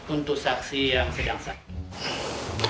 untuk saksi yang sedang sakit